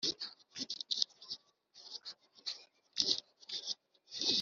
aberekeza ahandi bakomora umucyo n’imbaraga